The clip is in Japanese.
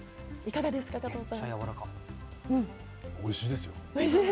加おいしいですよ。